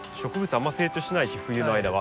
あんまり成長しないし冬の間は。